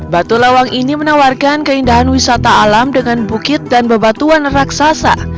batu lawang ini menawarkan keindahan wisata alam dengan bukit dan bebatuan raksasa